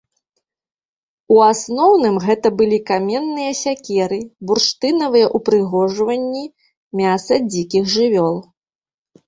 У асноўным гэта былі каменныя сякеры, бурштынавыя ўпрыгожванні, мяса дзікіх жывёл.